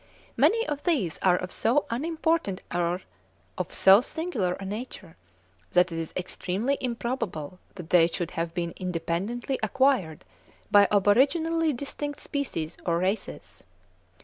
Many of these are of so unimportant or of so singular a nature, that it is extremely improbable that they should have been independently acquired by aboriginally distinct species or races.